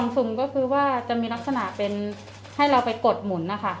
สุ่มก็คือว่าจะมีลักษณะเป็นให้เราไปกดหมุนนะคะ